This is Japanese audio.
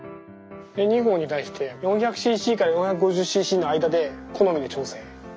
２合に対して４００ｃｃから４５０ｃｃの間で好みで調整。